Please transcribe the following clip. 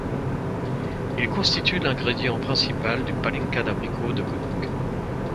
Il constitue l'ingrédient principal du pálinka d'abricot de Gönc.